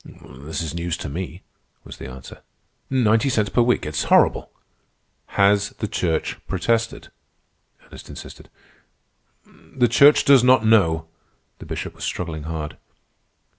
"This is news to me," was the answer. "Ninety cents per week! It is horrible!" "Has the Church protested?" Ernest insisted. "The Church does not know." The Bishop was struggling hard.